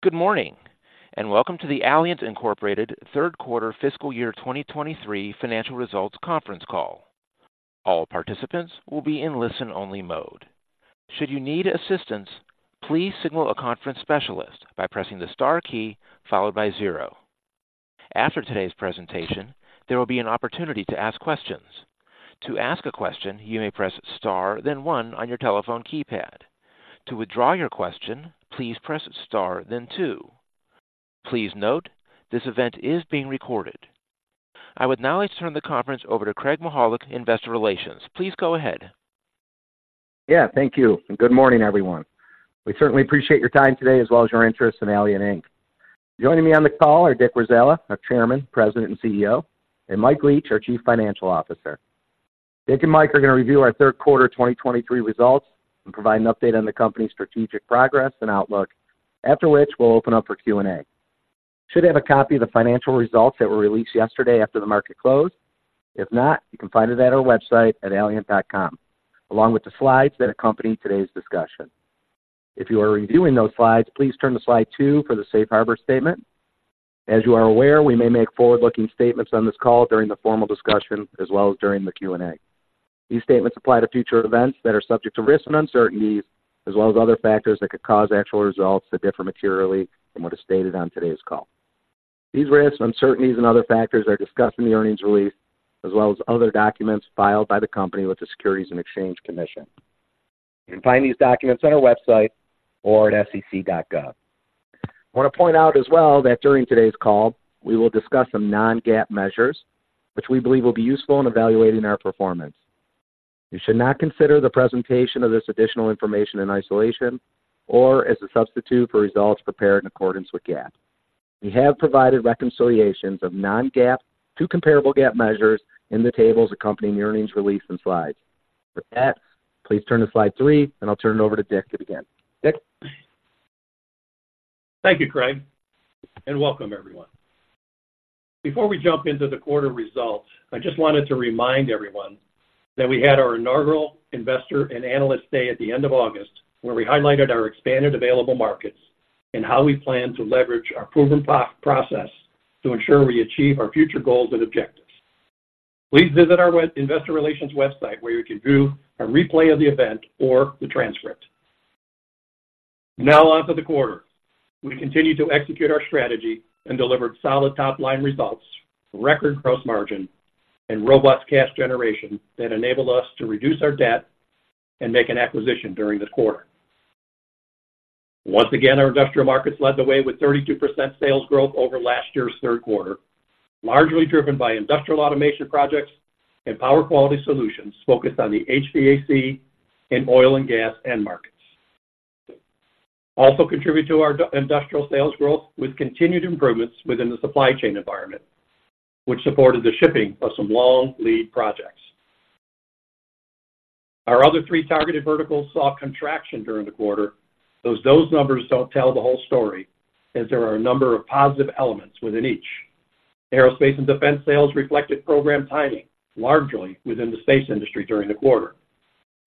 Good morning, and welcome to the Allient Incorporated third quarter fiscal year 2023 financial results conference call. All participants will be in listen-only mode. Should you need assistance, please signal a conference specialist by pressing the star key followed by zero. After today's presentation, there will be an opportunity to ask questions. To ask a question, you may press star, then one on your telephone keypad. To withdraw your question, please press star, then two. Please note, this event is being recorded. I would now like to turn the conference over to Craig Mychajluk, Investor Relations. Please go ahead. Yeah, thank you, and good morning, everyone. We certainly appreciate your time today as well as your interest in Allient Inc. Joining me on the call are Dick Warzala, our Chairman, President, and CEO, and Mike Leach, our Chief Financial Officer. Dick and Mike are going to review our third quarter 2023 results and provide an update on the company's strategic progress and outlook. After which, we'll open up for Q&A. You should have a copy of the financial results that were released yesterday after the market closed. If not, you can find it at our website at allient.com, along with the slides that accompany today's discussion. If you are reviewing those slides, please turn to slide two for the Safe Harbor statement. As you are aware, we may make forward-looking statements on this call during the formal discussion as well as during the Q&A. These statements apply to future events that are subject to risks and uncertainties, as well as other factors that could cause actual results to differ materially from what is stated on today's call. These risks, uncertainties, and other factors are discussed in the earnings release, as well as other documents filed by the company with the Securities and Exchange Commission. You can find these documents on our website or at sec.gov. I want to point out as well that during today's call, we will discuss some non-GAAP measures, which we believe will be useful in evaluating our performance. You should not consider the presentation of this additional information in isolation or as a substitute for results prepared in accordance with GAAP. We have provided reconciliations of non-GAAP to comparable GAAP measures in the tables accompanying the earnings release and slides. For that, please turn to slide three, and I'll turn it over to Dick to begin. Dick? Thank you, Craig, and welcome, everyone. Before we jump into the quarter results, I just wanted to remind everyone that we had our inaugural Investor and Analyst Day at the end of August, where we highlighted our expanded available markets and how we plan to leverage our proven pro-process to ensure we achieve our future goals and objectives. Please visit our website, Investor Relations website, where you can view a replay of the event or the transcript. Now, on to the quarter. We continued to execute our strategy and delivered solid top-line results, record gross margin, and robust cash generation that enabled us to reduce our debt and make an acquisition during the quarter. Once again, our industrial markets led the way with 32% sales growth over last year's third quarter, largely driven by industrial automation projects and power quality solutions focused on the HVAC and oil and gas end markets. Also contribute to our industrial sales growth with continued improvements within the supply chain environment, which supported the shipping of some long lead projects. Our other three targeted verticals saw contraction during the quarter, though those numbers don't tell the whole story, as there are a number of positive elements within each. Aerospace & Defense sales reflected program timing, largely within the space industry during the quarter.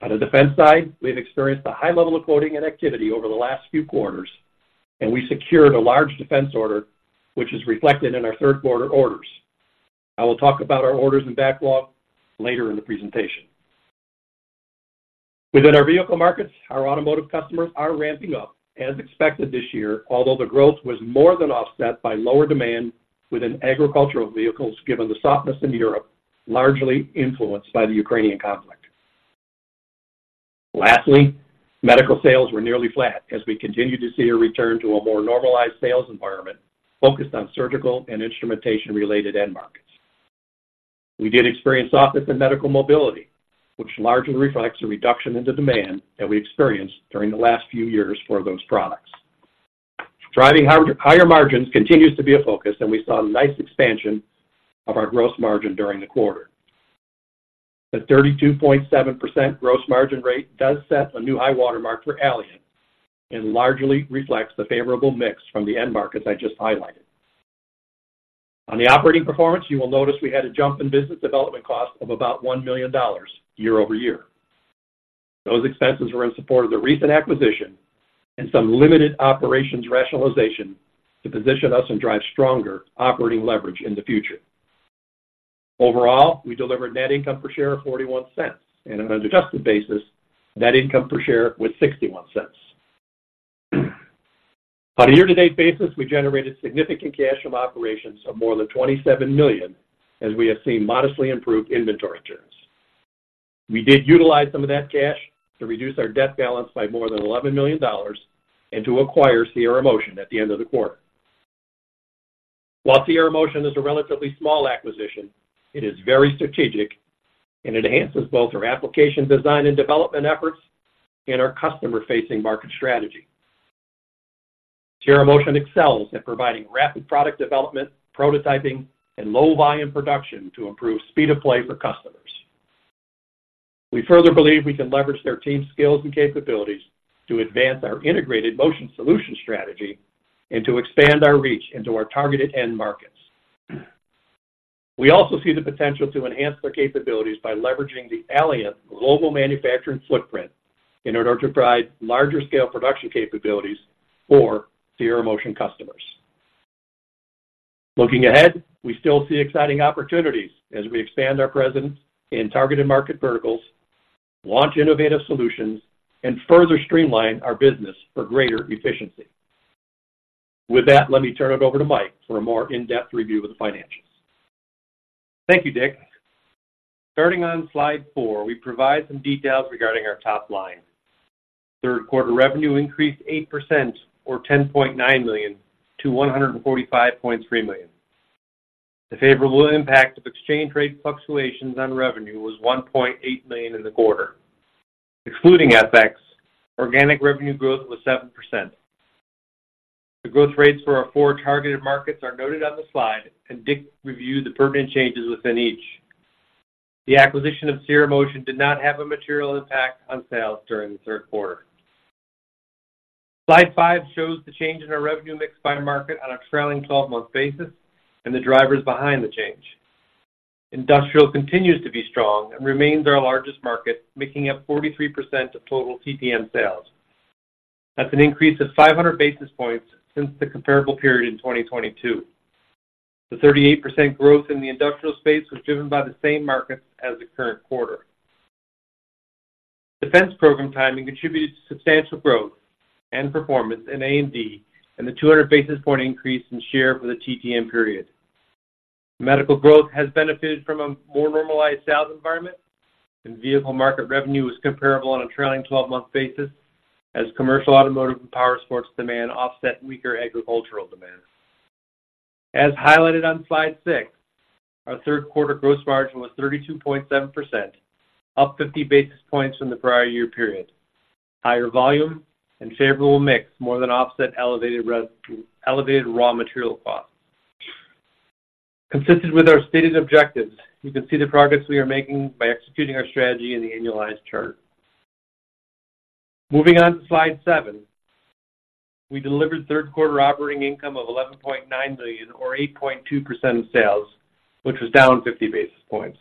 On the defense side, we have experienced a high level of quoting and activity over the last few quarters, and we secured a large defense order, which is reflected in our third quarter orders. I will talk about our orders and backlog later in the presentation. Within our vehicle markets, our automotive customers are ramping up as expected this year, although the growth was more than offset by lower demand within agricultural vehicles, given the softness in Europe, largely influenced by the Ukrainian conflict. Lastly, medical sales were nearly flat as we continued to see a return to a more normalized sales environment focused on surgical and instrumentation-related end markets. We did experience softness in medical mobility, which largely reflects a reduction in the demand that we experienced during the last few years for those products. Driving higher, higher margins continues to be a focus, and we saw a nice expansion of our gross margin during the quarter. The 32.7% gross margin rate does set a new high water mark for Allient and largely reflects the favorable mix from the end markets I just highlighted. On the operating performance, you will notice we had a jump in business development cost of about $1 million year-over-year. Those expenses were in support of the recent acquisition and some limited operations rationalization to position us and drive stronger operating leverage in the future. Overall, we delivered net income per share of $0.41, and on an adjusted basis, net income per share was $0.61. On a year-to-date basis, we generated significant cash from operations of more than $27 million, as we have seen modestly improved inventory turns. We did utilize some of that cash to reduce our debt balance by more than $11 million and to acquire Sierramotion at the end of the quarter. While Sierramotion is a relatively small acquisition, it is very strategic and enhances both our application design and development efforts and our customer-facing market strategy. Sierramotion excels at providing rapid product development, prototyping, and low-volume production to improve speed of play for customers. We further believe we can leverage their team's skills and capabilities to advance our integrated motion solution strategy and to expand our reach into our targeted end markets.... We also see the potential to enhance their capabilities by leveraging the Allient global manufacturing footprint in order to provide larger scale production capabilities for Sierramotion customers. Looking ahead, we still see exciting opportunities as we expand our presence in targeted market verticals, launch innovative solutions, and further streamline our business for greater efficiency. With that, let me turn it over to Mike for a more in-depth review of the financials. Thank you, Dick. Starting on slide four, we provide some details regarding our top line. Third quarter revenue increased 8% or $10.9 million-$145.3 million. The favorable impact of exchange rate fluctuations on revenue was $1.8 million in the quarter. Excluding FX, organic revenue growth was 7%. The growth rates for our four targeted markets are noted on the slide, and Dick reviewed the pertinent changes within each. The acquisition of Sierramotion did not have a material impact on sales during the third quarter. Slide five shows the change in our revenue mix by market on a trailing twelve-month basis and the drivers behind the change. Industrial continues to be strong and remains our largest market, making up 43% of total TTM sales. That's an increase of 500 basis points since the comparable period in 2022. The 38% growth in the industrial space was driven by the same markets as the current quarter. Defense program timing contributed to substantial growth and performance in A&D, and the 200 basis point increase in share for the TTM period. Medical growth has benefited from a more normalized sales environment, and vehicle market revenue was comparable on a trailing twelve-month basis as commercial, automotive, and power sports demand offset weaker agricultural demand. As highlighted on slide six, our third quarter gross margin was 32.7%, up 50 basis points from the prior year period. Higher volume and favorable mix more than offset elevated elevated raw material costs. Consistent with our stated objectives, you can see the progress we are making by executing our strategy in the annualized chart. Moving on to slide seven. We delivered third quarter operating income of $11.9 million, or 8.2% of sales, which was down 50 basis points.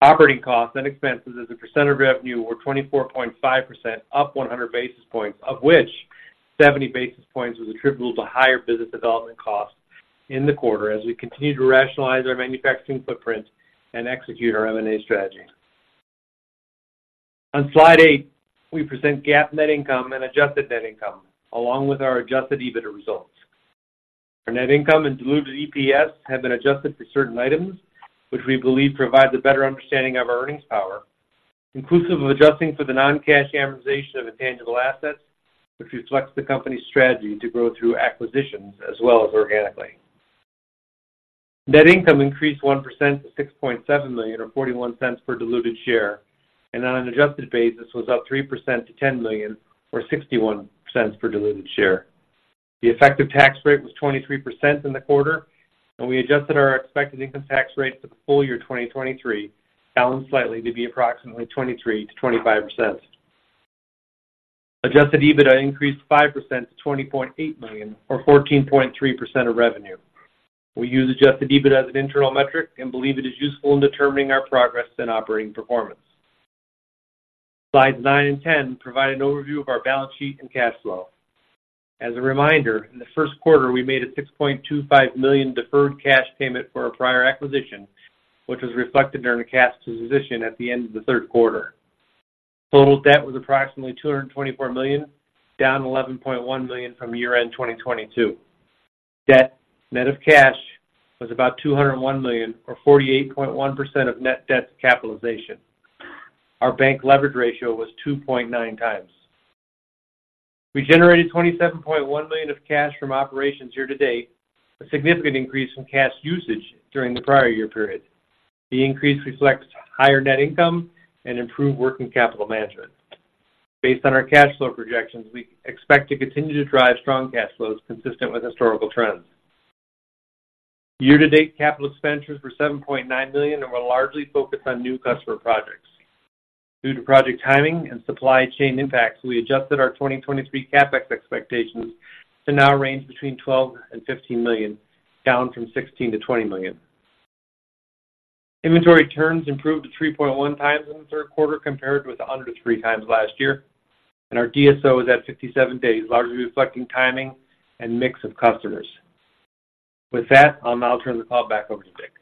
Operating costs and expenses as a percent of revenue were 24.5%, up 100 basis points, of which 70 basis points was attributable to higher business development costs in the quarter as we continue to rationalize our manufacturing footprint and execute our M&A strategy. On slide eight, we present GAAP net income and adjusted net income, along with our Adjusted EBITDA results. Our net income and Diluted EPS have been adjusted for certain items, which we believe provides a better understanding of our earnings power, inclusive of adjusting for the non-cash amortization of intangible assets, which reflects the company's strategy to grow through acquisitions as well as organically. Net income increased 1% to $6.7 million, or $0.41 per diluted share, and on an adjusted basis, was up 3% to $10 million, or $0.61 per diluted share. The effective tax rate was 23% in the quarter, and we adjusted our expected income tax rate for the full year 2023, balanced slightly to be approximately 23%-25%. Adjusted EBITDA increased 5% to $20.8 million, or 14.3% of revenue. We use Adjusted EBITDA as an internal metric and believe it is useful in determining our progress and operating performance. Slides nine and 10 provide an overview of our balance sheet and cash flow. As a reminder, in the first quarter, we made a $6.25 million deferred cash payment for our prior acquisition, which was reflected during the cash position at the end of the third quarter. Total debt was approximately $224 million, down $11.1 million from year-end 2022. Debt, net of cash, was about $201 million, or 48.1% of net debt to capitalization. Our bank leverage ratio was 2.9x. We generated $27.1 million of cash from operations year-to-date, a significant increase in cash usage during the prior year period. The increase reflects higher net income and improved working capital management. Based on our cash flow projections, we expect to continue to drive strong cash flows consistent with historical trends. Year-to-date, capital expenditures were $7.9 million and were largely focused on new customer projects. Due to project timing and supply chain impacts, we adjusted our 2023 CapEx expectations to now range between $12 million-$15 million, down from $16 million-$20 million. Inventory turns improved to 3.1x in the third quarter, compared with under 3x last year, and our DSO is at 57 days, largely reflecting timing and mix of customers. With that, I'll now turn the call back over to Dick.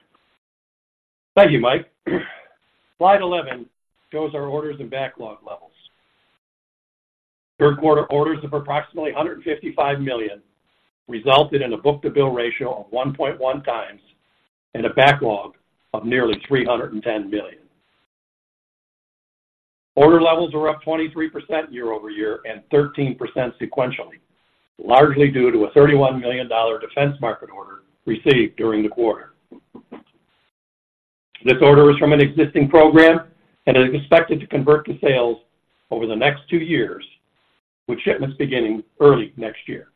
Thank you, Mike. Slide 11 shows our orders and backlog levels. Third quarter orders of approximately $155 million resulted in a book-to-bill ratio of 1.1x and a backlog of nearly $310 million. Order levels are up 23% year-over-year and 13% sequentially, largely due to a $31 million defense market order received during the quarter. This order is from an existing program and is expected to convert to sales over the next two years, with shipments beginning early next year.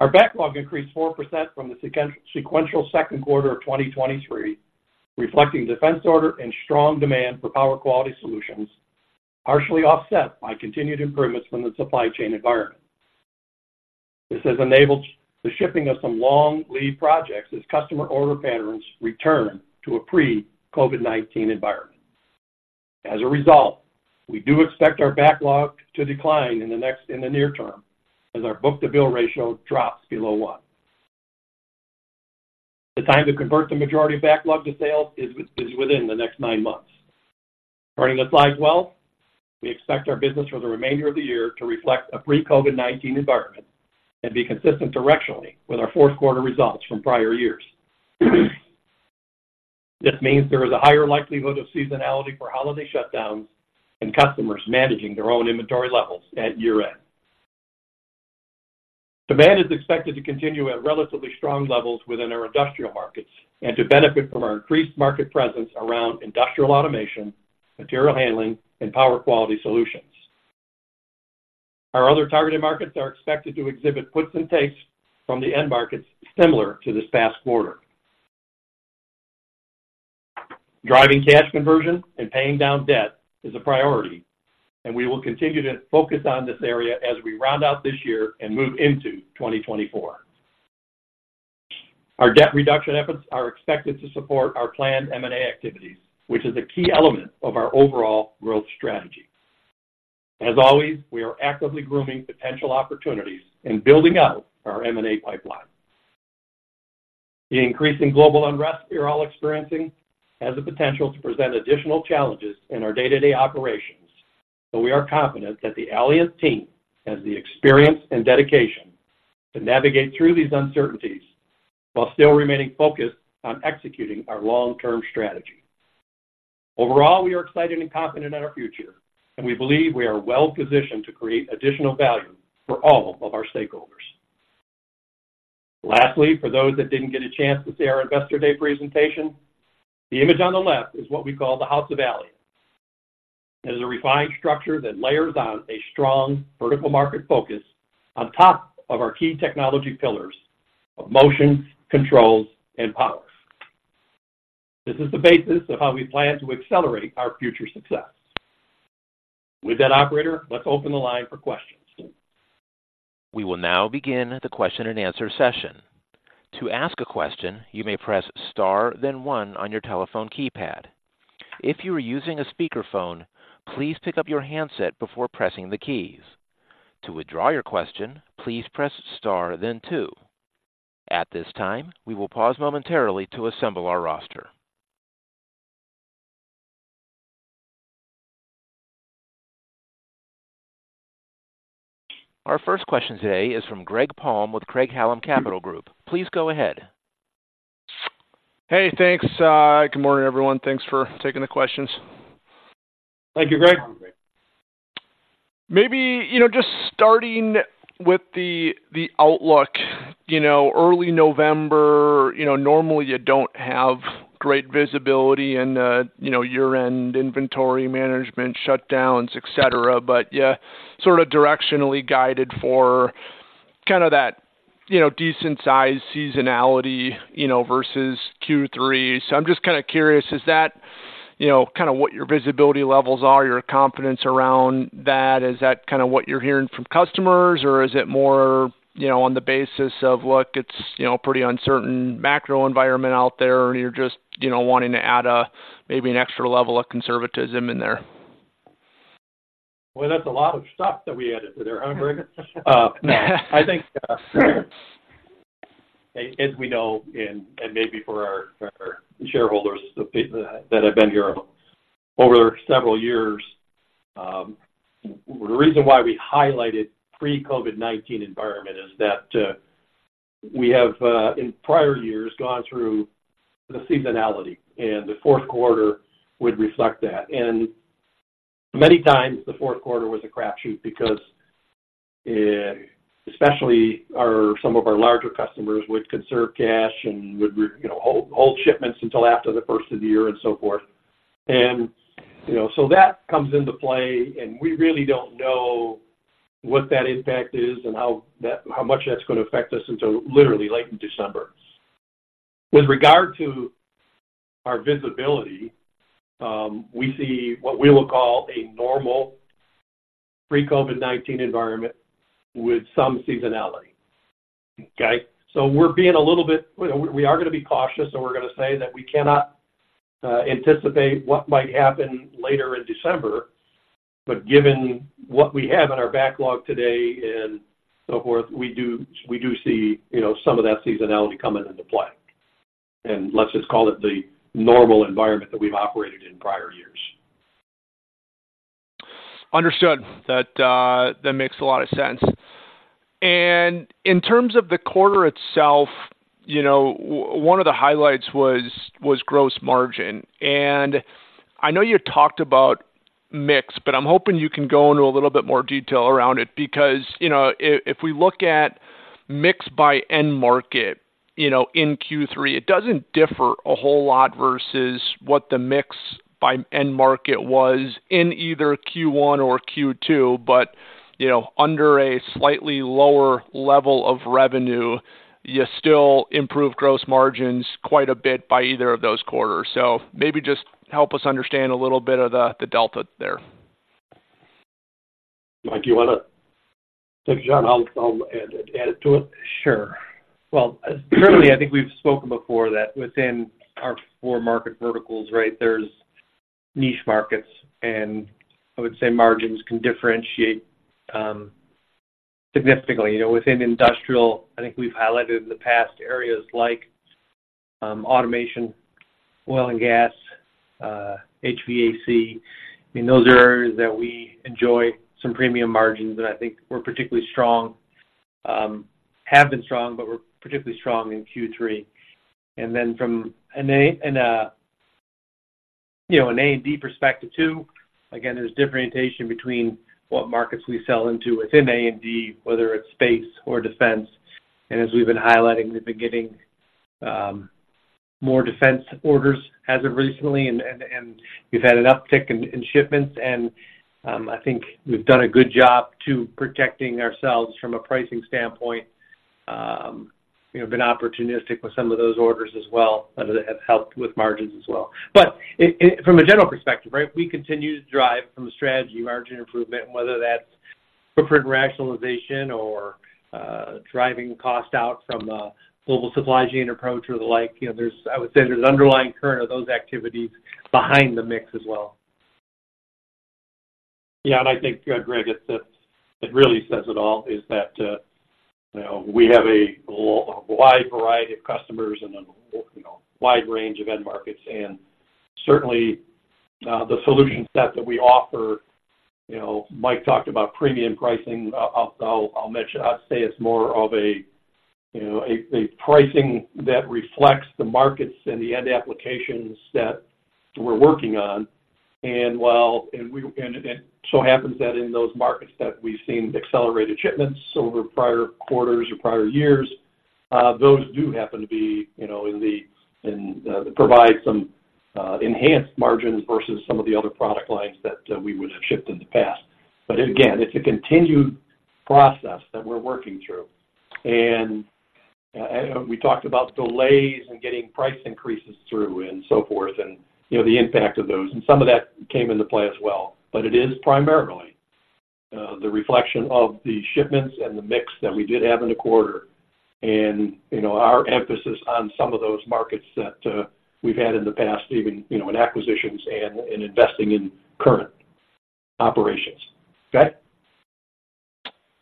Our backlog increased 4% from the sequential second quarter of 2023, reflecting defense order and strong demand for power quality solutions, partially offset by continued improvements from the supply chain environment. This has enabled the shipping of some long-lead projects as customer order patterns return to a pre-COVID-19 environment. As a result, we do expect our backlog to decline in the near term, as our book-to-bill ratio drops below one. The time to convert the majority of backlog to sales is within the next nine months. Turning to slide 12, we expect our business for the remainder of the year to reflect a pre-COVID-19 environment and be consistent directionally with our fourth quarter results from prior years. This means there is a higher likelihood of seasonality for holiday shutdowns and customers managing their own inventory levels at year-end. Demand is expected to continue at relatively strong levels within our industrial markets and to benefit from our increased market presence around industrial automation, material handling, and power quality solutions. Our other targeted markets are expected to exhibit puts and takes from the end markets, similar to this past quarter. Driving cash conversion and paying down debt is a priority, and we will continue to focus on this area as we round out this year and move into 2024. Our debt reduction efforts are expected to support our planned M&A activities, which is a key element of our overall growth strategy. As always, we are actively grooming potential opportunities and building out our M&A pipeline. The increasing global unrest we are all experiencing has the potential to present additional challenges in our day-to-day operations, but we are confident that the Allient team has the experience and dedication to navigate through these uncertainties while still remaining focused on executing our long-term strategy. Overall, we are excited and confident in our future, and we believe we are well positioned to create additional value for all of our stakeholders. Lastly, for those that didn't get a chance to see our Investor Day presentation, the image on the left is what we call the House of Allient. It is a refined structure that layers on a strong vertical market focus on top of our key technology pillars of motion, controls, and power. This is the basis of how we plan to accelerate our future success. With that, operator, let's open the line for questions. We will now begin the question-and-answer session. To ask a question, you may press star, then one on your telephone keypad. If you are using a speakerphone, please pick up your handset before pressing the keys. To withdraw your question, please press star then two. At this time, we will pause momentarily to assemble our roster. Our first question today is from Greg Palm with Craig-Hallum Capital Group. Please go ahead. Hey, thanks. Good morning, everyone. Thanks for taking the questions. Thank you, Greg. Maybe, you know, just starting with the outlook. You know, early November, you know, normally you don't have great visibility and, you know, year-end inventory management shutdowns, et cetera, but you sort of directionally guided for kind of that, you know, decent size seasonality, you know, versus Q3. So I'm just kind of curious, is that, you know, kind of what your visibility levels are, your confidence around that? Is that kind of what you're hearing from customers, or is it more, you know, on the basis of, look, it's, you know, pretty uncertain macro environment out there, and you're just, you know, wanting to add a, maybe an extra level of conservatism in there? Well, that's a lot of stuff that we added to there, huh, Greg? I think, as we know, and maybe for our shareholders that have been here over several years, the reason why we highlighted pre-COVID-19 environment is that, we have, in prior years, gone through the seasonality, and the fourth quarter would reflect that. And many times the fourth quarter was a crap shoot because, especially some of our larger customers would conserve cash and would, you know, hold shipments until after the first of the year and so forth. And, you know, so that comes into play, and we really don't know what that impact is and how that, how much that's going to affect us until literally late in December. With regard to our visibility, we see what we will call a normal pre-COVID-19 environment with some seasonality. Okay? So we're being a little bit... We are gonna be cautious, and we're gonna say that we cannot anticipate what might happen later in December. But given what we have in our backlog today and so forth, we do, we do see, you know, some of that seasonality coming into play. And let's just call it the normal environment that we've operated in prior years. Understood. That, that makes a lot of sense. And in terms of the quarter itself, you know, one of the highlights was gross margin. And I know you talked about mix, but I'm hoping you can go into a little bit more detail around it, because, you know, if we look at mix by end market, you know, in Q3, it doesn't differ a whole lot versus what the mix by end market was in either Q1 or Q2. But, you know, under a slightly lower level of revenue, you still improve gross margins quite a bit by either of those quarters. So maybe just help us understand a little bit of the delta there.... Mike, do you want to? So, John, I'll add it to it. Sure. Well, certainly, I think we've spoken before that within our four market verticals, right, there's niche markets, and I would say margins can differentiate significantly. You know, within industrial, I think we've highlighted in the past areas like automation, oil and gas, HVAC. I mean, those are areas that we enjoy some premium margins, and I think we're particularly strong, have been strong, but we're particularly strong in Q3. And then from an A&D perspective, too, again, there's differentiation between what markets we sell into within A&D, whether it's space or defense. And as we've been highlighting, we've been getting more defense orders as of recently, and we've had an uptick in shipments, and I think we've done a good job to protecting ourselves from a pricing standpoint. You know, been opportunistic with some of those orders as well, that have helped with margins as well. But, from a general perspective, right, we continue to drive from a strategy margin improvement, whether that's footprint rationalization or, driving cost out from a global supply chain approach or the like. You know, there's. I would say there's an underlying current of those activities behind the mix as well. Yeah, and I think, Greg, it really says it all, is that, you know, we have a wide variety of customers and a wide range of end markets, and certainly the solution set that we offer, you know, Mike talked about premium pricing. I'll mention, I'd say it's more of a pricing that reflects the markets and the end applications that we're working on. And while... And we, and so happens that in those markets that we've seen accelerated shipments over prior quarters or prior years, those do happen to be, you know, in the, in, provide some enhanced margins versus some of the other product lines that we would have shipped in the past. But again, it's a continued process that we're working through. We talked about delays and getting price increases through, and so forth, and, you know, the impact of those, and some of that came into play as well. But it is primarily the reflection of the shipments and the mix that we did have in the quarter, and, you know, our emphasis on some of those markets that we've had in the past, even, you know, in acquisitions and in investing in current operations. Greg?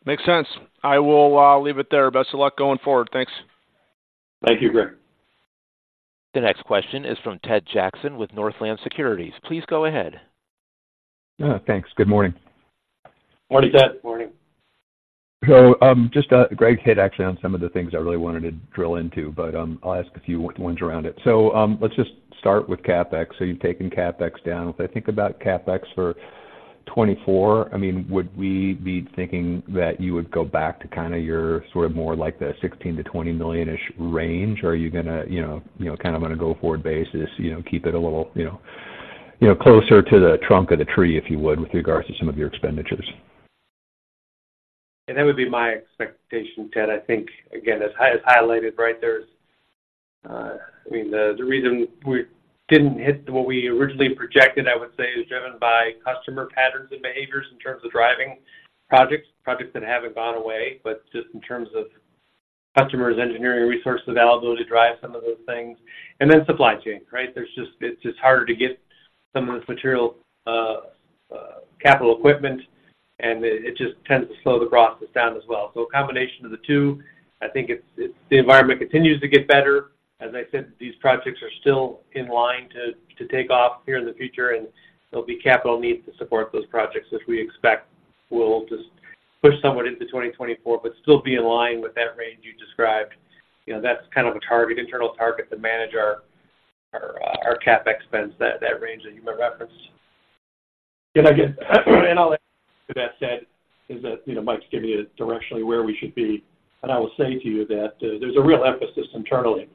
Makes sense. I will leave it there. Best of luck going forward. Thanks. Thank you, Greg. The next question is from Ted Jackson with Northland Securities. Please go ahead. Thanks. Good morning. Morning, Ted. Morning. So, just, Greg hit actually on some of the things I really wanted to drill into, but, I'll ask a few ones around it. So, let's just start with CapEx. So you've taken CapEx down. If I think about CapEx for 2024, I mean, would we be thinking that you would go back to kind of your sort of more like the $16 million-$20 million-ish range? Or are you gonna, you know, you know, kind of on a go-forward basis, you know, you know, keep it a little, you know, you know, closer to the trunk of the tree, if you would, with regards to some of your expenditures? That would be my expectation, Ted. I think, again, as high as highlighted, right there's, I mean, the, the reason we didn't hit what we originally projected, I would say, is driven by customer patterns and behaviors in terms of driving projects, projects that haven't gone away, but just in terms of customers' engineering resource availability to drive some of those things, and then supply chain, right? There's just. It's just harder to get some of this material, capital equipment, and it, it just tends to slow the process down as well. A combination of the two, I think it's, it's the environment continues to get better. As I said, these projects are still in line to take off here in the future, and there'll be capital needs to support those projects, which we expect will just push somewhat into 2024, but still be in line with that range you described. You know, that's kind of a target, internal target to manage our CapEx spends, that range that you may reference. And again, I'll add to that, Ted, is that you know, Mike's giving you directionally where we should be. And I will say to you that there's a real emphasis internally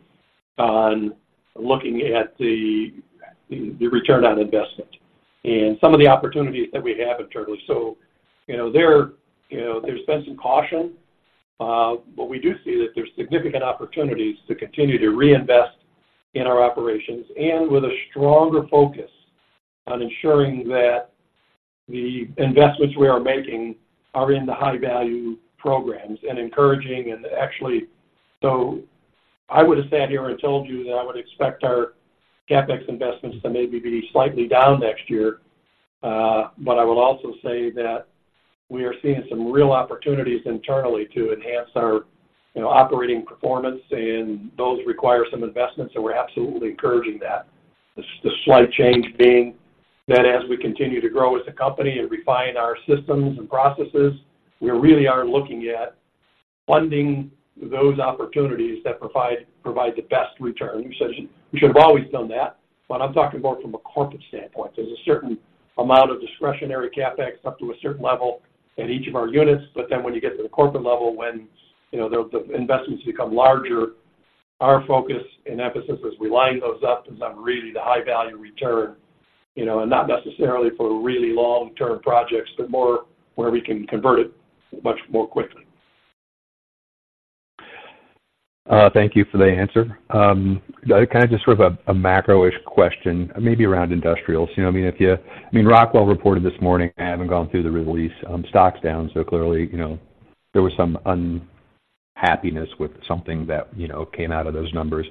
on looking at the return on investment and some of the opportunities that we have internally. So, you know, there's been some caution, but we do see that there's significant opportunities to continue to reinvest in our operations and with a stronger focus on ensuring that the investments we are making are in the high-value programs and encouraging and actually. So I would have sat here and told you that I would expect our CapEx investments to maybe be slightly down next year. But I would also say that we are seeing some real opportunities internally to enhance our, you know, operating performance, and those require some investment, so we're absolutely encouraging that. The slight change being that as we continue to grow as a company and refine our systems and processes, we really are looking at funding those opportunities that provide the best return. We should have always done that, but I'm talking about from a corporate standpoint. There's a certain amount of discretionary CapEx up to a certain level in each of our units, but then when you get to the corporate level, when, you know, the investments become larger, our focus and emphasis as we line those up is on really the high-value return, you know, and not necessarily for really long-term projects, but more where we can convert it much more quickly. ... Thank you for the answer. Kind of just sort of a macro-ish question, maybe around industrials. You know what I mean? I mean, Rockwell reported this morning, I haven't gone through the release, stock's down, so clearly, you know, there was some unhappiness with something that, you know, came out of those numbers.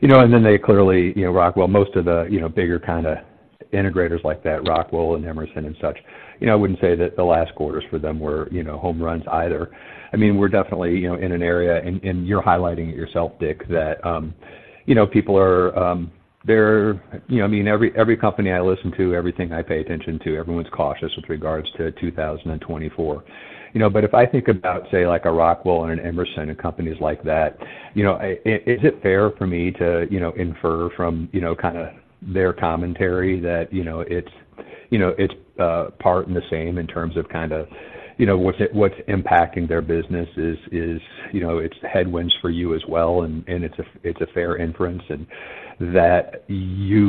You know, and then they clearly, you know, Rockwell, most of the, you know, bigger kind of integrators like that, Rockwell and Emerson and such, you know, I wouldn't say that the last quarters for them were, you know, home runs either. I mean, we're definitely, you know, in an area, and you're highlighting it yourself, Dick, that, you know, people are, you know. I mean, every company I listen to, everything I pay attention to, everyone's cautious with regards to 2024. You know, but if I think about, say, like a Rockwell and an Emerson and companies like that, you know, is it fair for me to, you know, infer from, you know, kind of their commentary that, you know, it's, you know, it's part and the same in terms of kind of, you know, what's impacting their business is, you know, it's headwinds for you as well, and it's a fair inference, and that you--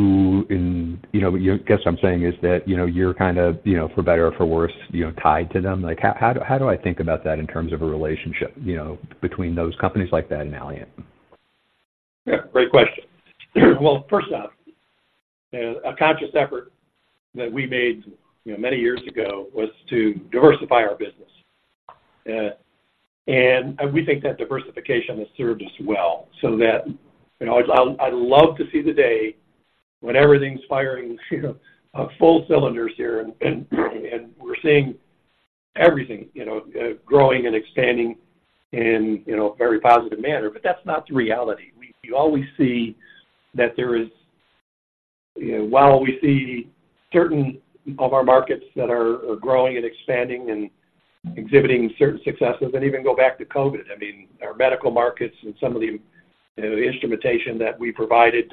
You know, I guess what I'm saying is that, you know, you're kind of, you know, for better or for worse, you know, tied to them. Like, how do I think about that in terms of a relationship, you know, between those companies like that and Allient? Yeah, great question. Well, first off, a conscious effort that we made, you know, many years ago, was to diversify our business. And we think that diversification has served us well, so that... You know, I'd love to see the day when everything's firing, you know, full cylinders here, and we're seeing everything, you know, growing and expanding in, you know, a very positive manner. But that's not the reality. We always see that there is... You know, while we see certain of our markets that are growing and expanding and exhibiting certain successes, and even go back to COVID, I mean, our medical markets and some of the, you know, instrumentation that we provided,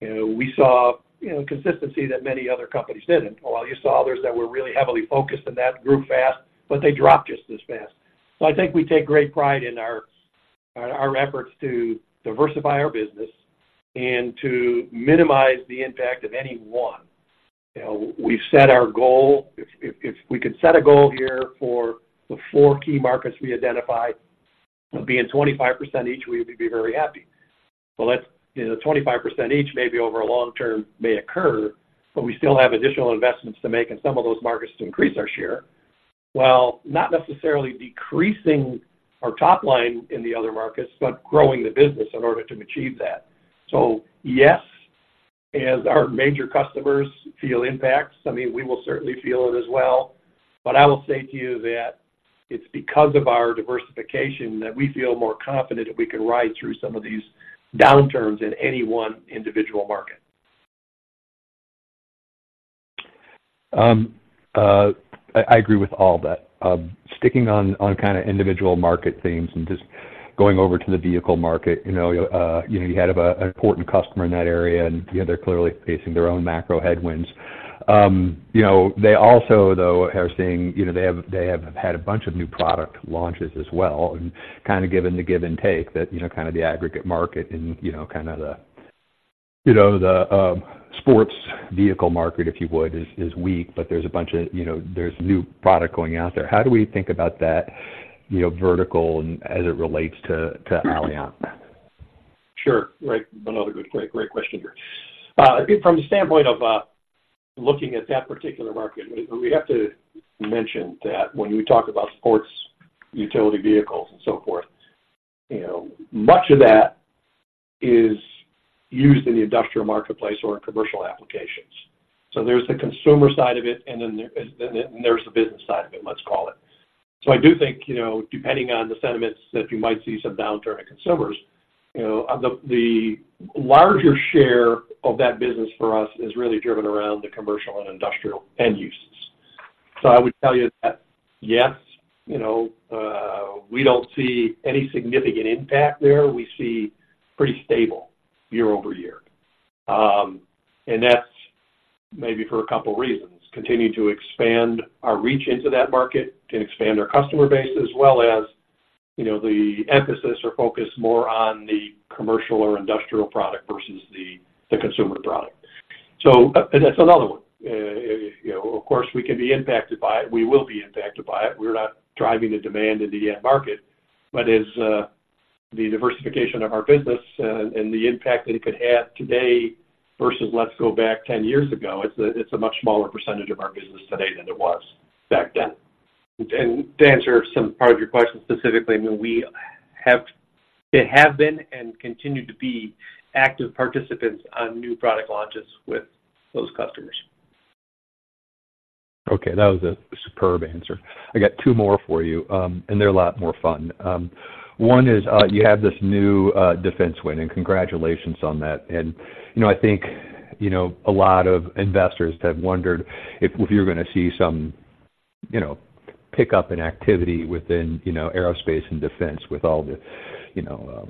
you know, we saw, you know, consistency that many other companies didn't. While you saw others that were really heavily focused and that grew fast, but they dropped just as fast. So I think we take great pride in our efforts to diversify our business and to minimize the impact of any one. You know, we've set our goal. If we could set a goal here for the four key markets we identified, being 25% each, we would be very happy. Well, that's, you know, 25% each, maybe over a long term may occur, but we still have additional investments to make in some of those markets to increase our share, while not necessarily decreasing our top line in the other markets, but growing the business in order to achieve that. So, yes, as our major customers feel impacts, I mean, we will certainly feel it as well. But I will say to you that it's because of our diversification, that we feel more confident that we can ride through some of these downturns in any one individual market. I agree with all that. Sticking on kind of individual market themes and just going over to the vehicle market, you know, you had an important customer in that area, and, you know, they're clearly facing their own macro headwinds. You know, they also, though, are seeing... You know, they have had a bunch of new product launches as well, and kind of given the give and take, that, you know, kind of the aggregate market and, you know, kind of the, you know, the sports vehicle market, if you would, is weak, but there's a bunch of, you know, there's new product going out there. How do we think about that, you know, vertical and as it relates to Allient? Sure. Right. Another good, great, great question here. I think from the standpoint of looking at that particular market, we have to mention that when we talk about sports utility vehicles, and so forth, you know, much of that is used in the industrial marketplace or commercial applications. So there's the consumer side of it, and then there, and then there's the business side of it, let's call it. So I do think, you know, depending on the sentiments, that you might see some downturn in consumers, you know, the larger share of that business for us is really driven around the commercial and industrial end uses. So I would tell you that, yes, you know, we don't see any significant impact there. We see pretty stable year-over-year. And that's maybe for a couple reasons, continuing to expand our reach into that market and expand our customer base, as well as, you know, the emphasis or focus more on the commercial or industrial product versus the, the consumer product. So, and that's another one. You know, of course, we can be impacted by it. We will be impacted by it. We're not driving the demand in the end market, but as, the diversification of our business and, and the impact that it could have today versus let's go back 10 years ago, it's a, it's a much smaller percentage of our business today than it was back then. And to answer some part of your question specifically, I mean, we have... It have been and continue to be active participants on new product launches with those customers. Okay, that was a superb answer. I got two more for you, and they're a lot more fun. One is, you have this new defense win, and congratulations on that. And, you know, I think, you know, a lot of investors have wondered if, if you're gonna see some, you know, pick up in activity within, you know, Aerospace & Defense with all the, you know,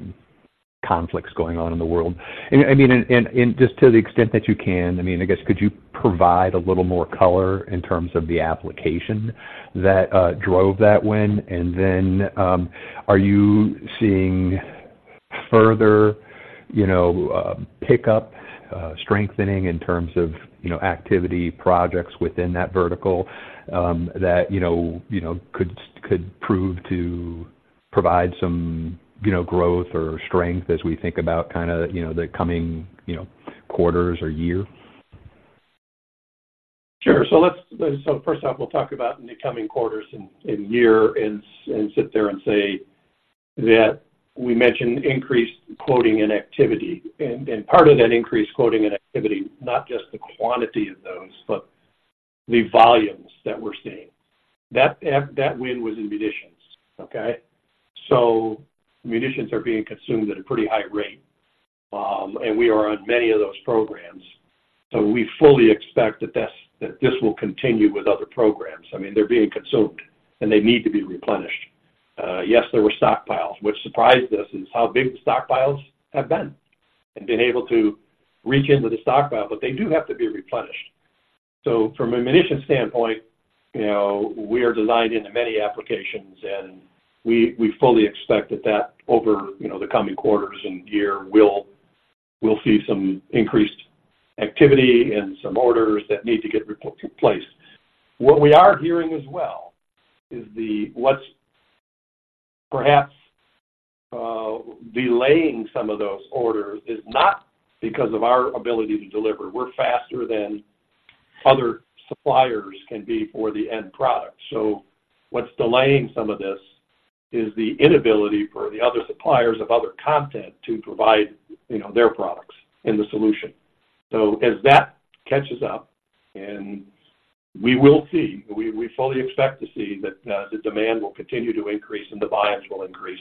conflicts going on in the world. And, I mean, and, and just to the extent that you can, I mean, I guess could you provide a little more color in terms of the application that drove that win? And then, are you seeing further-... You know, pick up strengthening in terms of, you know, activity projects within that vertical, that you know could prove to provide some, you know, growth or strength as we think about kind of, you know, the coming quarters or year? Sure. So first off, we'll talk about in the coming quarters and year and sit there and say that we mentioned increased quoting and activity. And part of that increased quoting and activity, not just the quantity of those, but the volumes that we're seeing. That, that win was in munitions, okay? So munitions are being consumed at a pretty high rate, and we are on many of those programs. So we fully expect that this, that this will continue with other programs. I mean, they're being consumed, and they need to be replenished. Yes, there were stockpiles, which surprised us, is how big the stockpiles have been, and been able to reach into the stockpile, but they do have to be replenished. So from an ammunition standpoint, you know, we are designed into many applications, and we fully expect that over, you know, the coming quarters and year, we'll see some increased activity and some orders that need to get replaced. What we are hearing as well is what's perhaps delaying some of those orders is not because of our ability to deliver. We're faster than other suppliers can be for the end product. So what's delaying some of this is the inability for the other suppliers of other content to provide, you know, their products in the solution. So as that catches up, and we will see, we fully expect to see that the demand will continue to increase and the volumes will increase.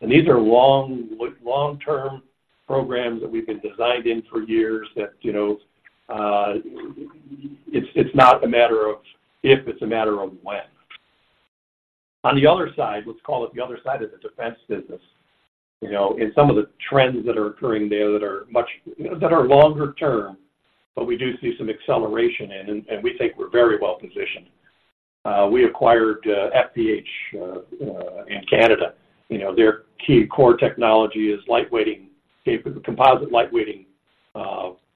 These are long-term programs that we've been designed in for years, that, you know, it's not a matter of if, it's a matter of when. On the other side, let's call it the other side of the defense business, you know, and some of the trends that are occurring there that are longer term, but we do see some acceleration in, and we think we're very well positioned. We acquired FPH in Canada. You know, their key core technology is lightweighting, composite lightweighting,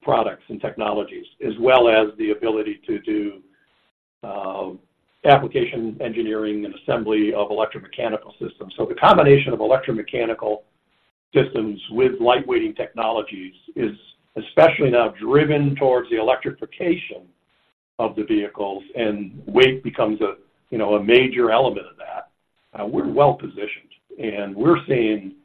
products and technologies, as well as the ability to do application engineering and assembly of electromechanical systems. So the combination of electromechanical systems with lightweighting technologies is especially now driven towards the electrification of the vehicles, and weight becomes a, you know, a major element of that. We're well positioned, and we're seeing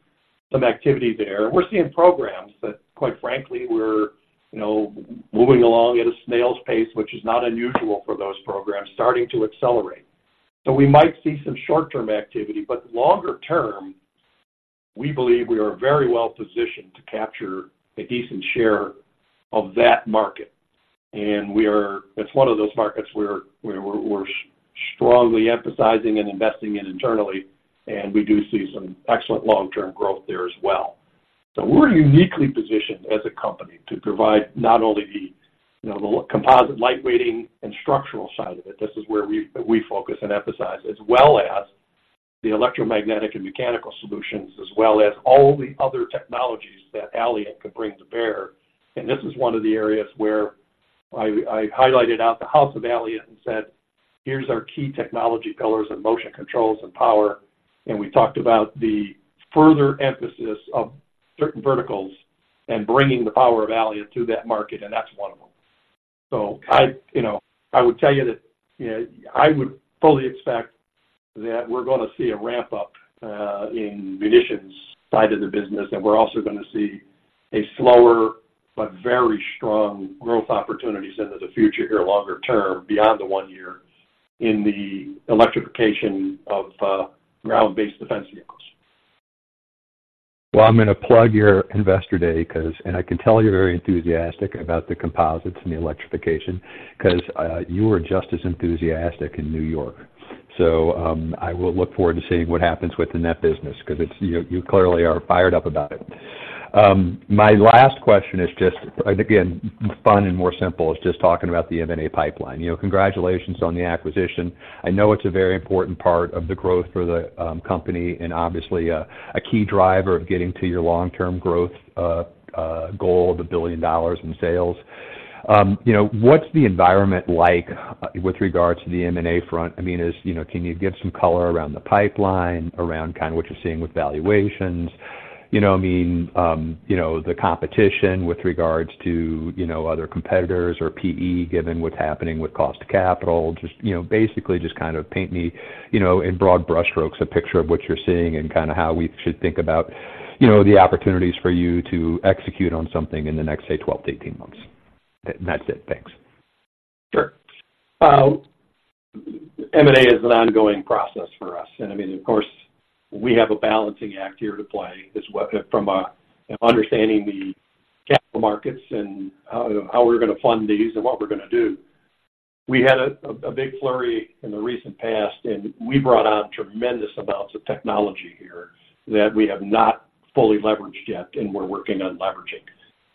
some activity there. We're seeing programs that, quite frankly, we're, you know, moving along at a snail's pace, which is not unusual for those programs, starting to accelerate. So we might see some short-term activity, but longer term, we believe we are very well positioned to capture a decent share of that market. And we are—it's one of those markets where we're, we're strongly emphasizing and investing in internally, and we do see some excellent long-term growth there as well. So we're uniquely positioned as a company to provide not only the, you know, the composite, lightweighting, and structural side of it, this is where we, we focus and emphasize, as well as the electromagnetic and mechanical solutions, as well as all the other technologies that Allient can bring to bear. This is one of the areas where I highlighted out the house of Allient and said, "Here's our key technology pillars and motion controls and power." We talked about the further emphasis of certain verticals and bringing the power of Allient to that market, and that's one of them. So I, you know, I would tell you that, you know, I would fully expect that we're gonna see a ramp up in munitions side of the business, and we're also gonna see a slower but very strong growth opportunities into the future here, longer term, beyond the one year, in the electrification of ground-based defense vehicles. Well, I'm gonna plug your Investor Day, 'cause. And I can tell you're very enthusiastic about the composites and the electrification, 'cause you were just as enthusiastic in New York. So, I will look forward to seeing what happens within that business, because it's, you, you clearly are fired up about it. My last question is just, again, fun and more simple, is just talking about the M&A pipeline. You know, congratulations on the acquisition. I know it's a very important part of the growth for the company and obviously, a key driver of getting to your long-term growth goal of $1 billion in sales. You know, what's the environment like with regards to the M&A front? I mean, you know, can you give some color around the pipeline, around kind of what you're seeing with valuations? You know, I mean, you know, the competition with regards to, you know, other competitors or PE, given what's happening with cost of capital. Just, you know, basically just kind of paint me, you know, in broad brushstrokes, a picture of what you're seeing and kind of how we should think about, you know, the opportunities for you to execute on something in the next, say, 12-18 months. And that's it. Thanks. Sure. M&A is an ongoing process for us, and I mean, of course, we have a balancing act here to play, as well, from understanding the capital markets and how we're gonna fund these and what we're gonna do. We had a big flurry in the recent past, and we brought on tremendous amounts of technology here that we have not fully leveraged yet, and we're working on leveraging.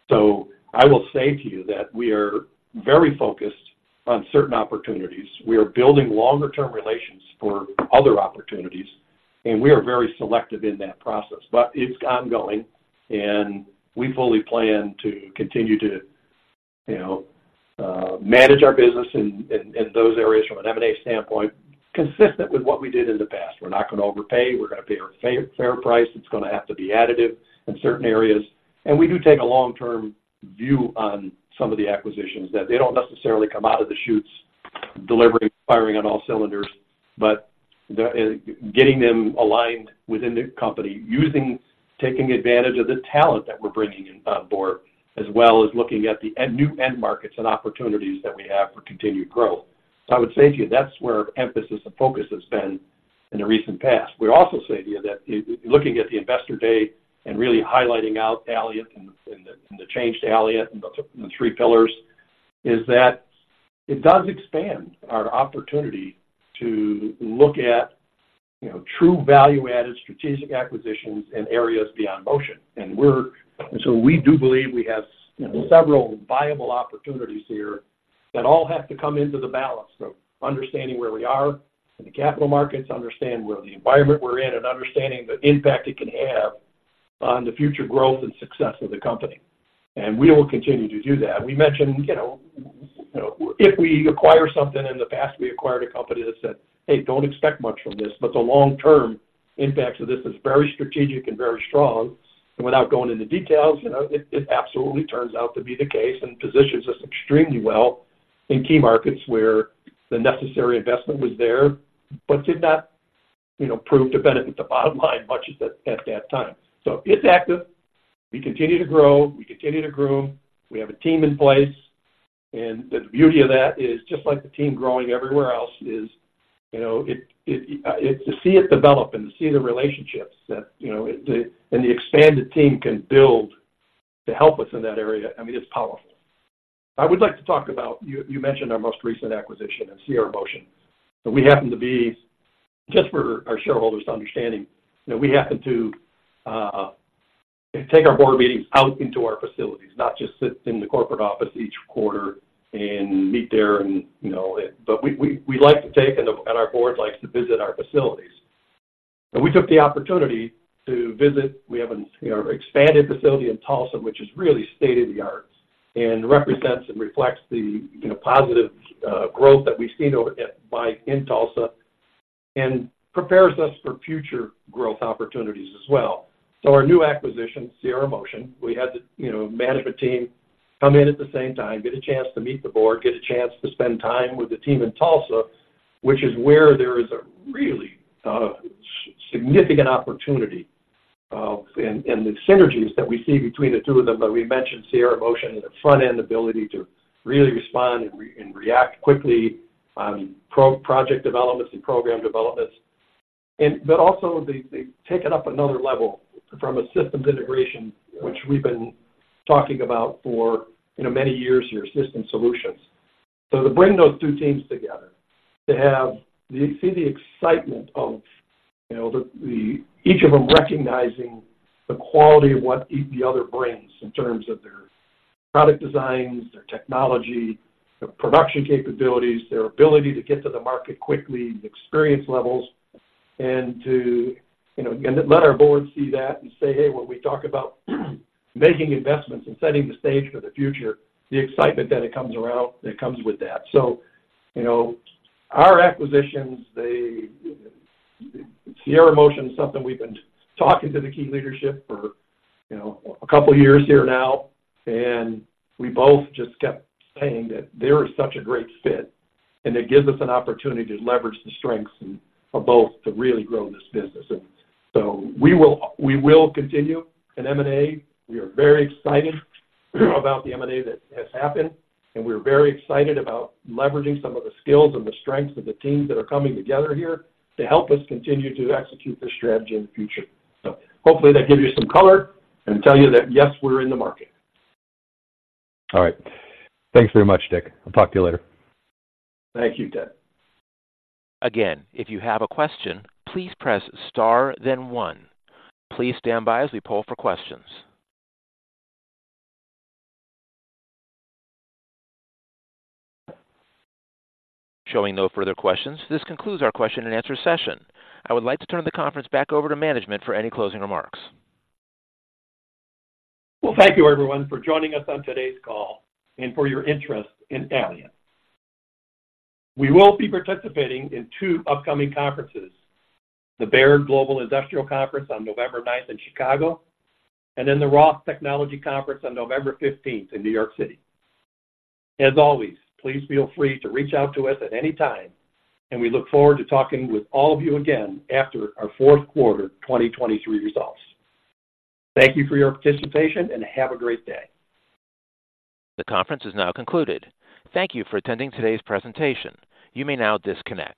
So I will say to you that we are very focused on certain opportunities. We are building longer-term relations for other opportunities, and we are very selective in that process. But it's ongoing, and we fully plan to continue to manage our business in those areas from an M&A standpoint, consistent with what we did in the past. We're not going to overpay. We're going to pay a fair, fair price. It's going to have to be additive in certain areas. We do take a long-term view on some of the acquisitions, that they don't necessarily come out of the chutes delivering, firing on all cylinders, but the getting them aligned within the company, using, taking advantage of the talent that we're bringing on board, as well as looking at the new end markets and opportunities that we have for continued growth. So I would say to you, that's where emphasis and focus has been in the recent past. We're also saying to you that looking at the Investor Day and really highlighting Allient and the, and the change to Allient, and the, the three pillars, is that it does expand our opportunity to look at, you know, true value-added strategic acquisitions in areas beyond motion. And so we do believe we have several viable opportunities here that all have to come into the balance of understanding where we are in the capital markets, understand where the environment we're in, and understanding the impact it can have on the future growth and success of the company. And we will continue to do that. We mentioned, you know, if we acquire something in the past, we acquired a company that said, "Hey, don't expect much from this, but the long-term impact to this is very strategic and very strong." And without going into details, you know, it absolutely turns out to be the case and positions us extremely well in key markets where the necessary investment was there but did not, you know, prove to benefit the bottom line much at that time. So it's active. We continue to grow, we continue to groom. We have a team in place, and the beauty of that is, just like the team growing everywhere else, you know, to see it develop and to see the relationships that, you know, the expanded team can build to help us in that area. I mean, it's powerful. I would like to talk about. You mentioned our most recent acquisition of Sierramotion. So we happen to be, just for our shareholders' understanding, that we happen to take our board meetings out into our facilities, not just sit in the corporate office each quarter and meet there and, you know. But we like to take, and our board likes to visit our facilities. And we took the opportunity to visit. We have an expanded facility in Tulsa, which is really state-of-the-art and represents and reflects the, you know, positive, growth that we've seen over at by in Tulsa and prepares us for future growth opportunities as well. So our new acquisition, Sierramotion, we had the, you know, management team come in at the same time, get a chance to meet the board, get a chance to spend time with the team in Tulsa, which is where there is a really, significant opportunity, and the synergies that we see between the two of them. But we mentioned Sierramotion and the front-end ability to really respond and react quickly on pro-project developments and program developments. And, but also, they, they take it up another level from a systems integration, which we've been talking about for, you know, many years here, system solutions. So to bring those two teams together, to have to see the excitement of, you know, each of them recognizing the quality of what the other brings in terms of their product designs, their technology, their production capabilities, their ability to get to the market quickly, the experience levels, and to, you know, let our board see that and say, "Hey, when we talk about making investments and setting the stage for the future, the excitement that it comes around, it comes with that." So, you know, our acquisitions, they, Sierramotion is something we've been talking to the key leadership for, you know, a couple of years here now, and we both just kept saying that they are such a great fit, and it gives us an opportunity to leverage the strengths of both to really grow this business. So we will, we will continue in M&A. We are very excited about the M&A that has happened, and we're very excited about leveraging some of the skills and the strengths of the teams that are coming together here to help us continue to execute this strategy in the future. So hopefully, that gives you some color and tell you that, yes, we're in the market. All right. Thanks very much, Dick. I'll talk to you later. Thank you, Ted. Again, if you have a question, please press star then one. Please stand by as we poll for questions. Showing no further questions, this concludes our question and answer session. I would like to turn the conference back over to management for any closing remarks. Well, thank you, everyone, for joining us on today's call and for your interest in Allient. We will be participating in two upcoming conferences, the Baird Global Industrial Conference on November 9th in Chicago, and then the Roth Technology Conference on November 15th in New York City. As always, please feel free to reach out to us at any time, and we look forward to talking with all of you again after our fourth quarter, 2023 results. Thank you for your participation, and have a great day. The conference is now concluded. Thank you for attending today's presentation. You may now disconnect.